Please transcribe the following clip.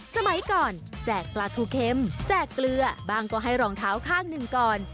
สมัยก่อนแจกปลาทูเค็มแจกเกลือบ้างก็ให้รองเท้าข้างหนึ่งก่อน